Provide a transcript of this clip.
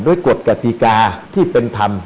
กฎกติกาที่เป็นธรรม